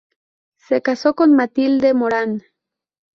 Se casó con Matilde Morán.